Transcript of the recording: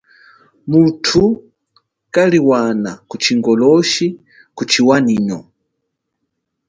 Muthu kaliwana ku chingoloshi kuchiwanyino.